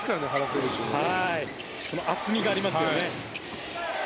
厚みがありますよね。